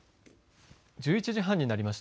１１時半になりました。